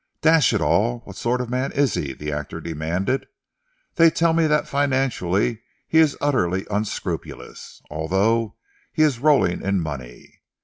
"Dash it all, what sort of man is he?" the actor demanded. "They tell me that financially he is utterly unscrupulous, although he is rolling in money.